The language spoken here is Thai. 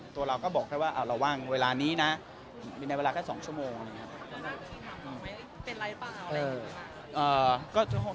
ตัวเราก็บอกแค่ว่าเราว่างเวลานี้นะในเวลาแค่๒ชั่วโมง